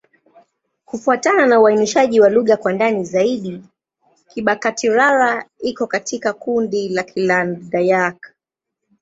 Kufuatana na uainishaji wa lugha kwa ndani zaidi, Kibakati'-Rara iko katika kundi la Kiland-Dayak.